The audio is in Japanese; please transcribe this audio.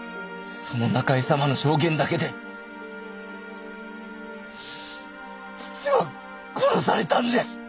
その仲井様の証言だけで父は殺されたんです！